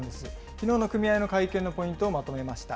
きのうの組合の会見のポイントをまとめました。